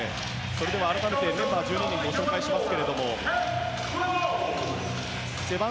改めてメンバー１２人をご紹介します。